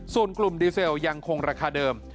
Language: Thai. ส่วนกลุ่มดีเซลยังคงราคาเดิม